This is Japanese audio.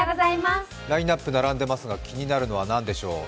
ラインナップ並んでますが気になるのは何でしょう。